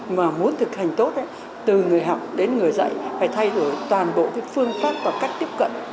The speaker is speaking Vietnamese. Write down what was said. mà muốn thực hành tốt từ người học đến người dạy phải thay đổi toàn bộ cái phương pháp và cách tiếp cận